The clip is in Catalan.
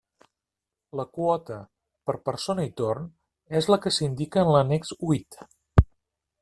La quota, per persona i torn, és la que s'indica en l'annex huit.